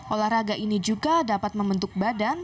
olahraga ini juga dapat membentuk badan